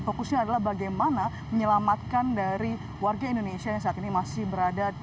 fokusnya adalah bagaimana menyelamatkan dari warga indonesia yang saat ini masih berada di